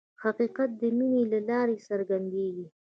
حقیقت د مینې له لارې څرګندېږي.